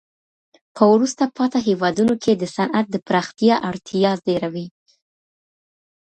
په وروسته پاته هېوادونو کي د صنعت د پراختیا اړتیا ډېره وي.